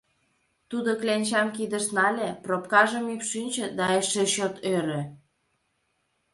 Тудо кленчам кидыш нале, пробкажым ӱпшынчӧ да эше чот ӧрӧ.